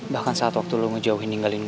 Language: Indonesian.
bahkan saat waktu lo ngejauhin ninggalin gue